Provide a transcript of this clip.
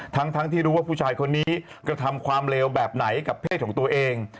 ทั้งที่รู้ว่าผู้ชายคนนี้กระทำความเลวแบบไหนกับเพศของตัวเอง